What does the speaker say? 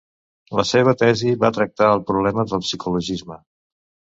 La seva tesi va tractar el problema del psicologisme.